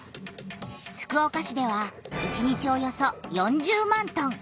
福岡市では１日およそ４０万トン！